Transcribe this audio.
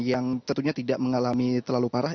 yang tentunya tidak mengalami terlalu parah